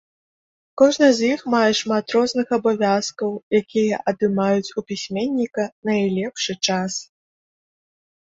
Кожны з іх мае шмат розных абавязкаў, якія адымаюць у пісьменніка найлепшы час.